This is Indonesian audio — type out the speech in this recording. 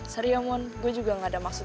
serius mon gue juga gak ada maksud